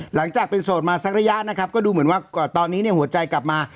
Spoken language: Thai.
หลังจากเป็นโสดมาสักระยะนะครับก็ดูเหมือนว่าตอนนี้เนี่ยหัวใจกลับมา